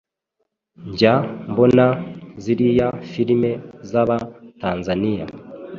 njya mbona ziriya film z’aba tanzaniya